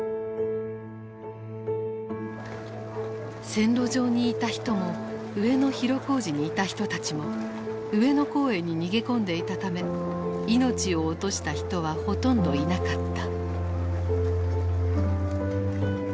線路上にいた人も上野広小路にいた人たちも上野公園に逃げ込んでいたため命を落とした人はほとんどいなかった。